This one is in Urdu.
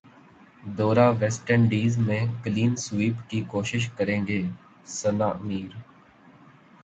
دورہ ویسٹ انڈیز میں کلین سویپ کی کوشش کرینگے ثناء میر